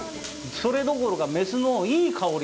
それどころか「雌のいい香り」？